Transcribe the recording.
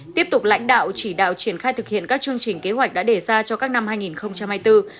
tiếp tục lãnh đạo chỉ đạo triển khai thực hiện các chương trình kế hoạch đã đề ra cho các năm hai nghìn hai mươi bốn hai nghìn hai mươi năm